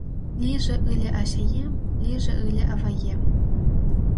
Лийже ыле ачаем, лийже ыле аваем